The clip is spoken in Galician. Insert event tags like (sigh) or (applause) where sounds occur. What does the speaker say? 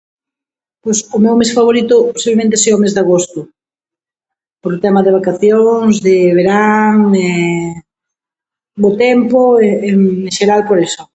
Pois o meu mes favorito, posiblemente, sea o mes de agosto, polo tema de vacacións, de verán, (hesitation) bo tempo. En xeral por eso.